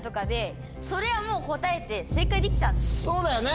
そうだよね。